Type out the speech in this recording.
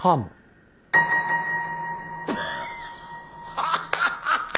ハハハハ！